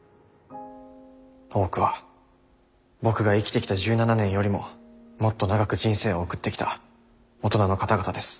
多くは僕が生きてきた１７年よりももっと長く人生を送ってきた大人の方々です。